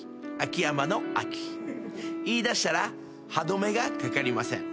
言いだしたら歯止めがかかりません。